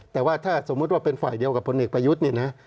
แต่ว่าถ้าสมมุติว่าเป็นฝ่ายเดียวกับผลเอกประยุทธ์เนี่ยนะ